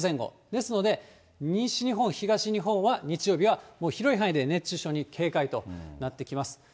ですので、西日本、東日本は日曜日はもう広い範囲で熱中症に警戒となってきます。